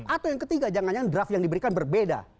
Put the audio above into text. atau yang ketiga jangan jangan draft yang diberikan berbeda